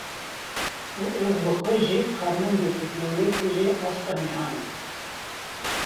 Û ez bi xwe jî karmendekî dewletê yê asta nehan im.